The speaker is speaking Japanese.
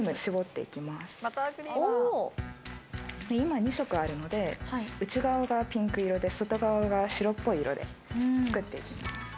今、２色あるので内側がピンク色で、外側が白っぽい色で作っていきます。